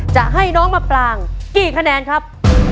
จะให้น้องมะปรางกี่คะแนนครับ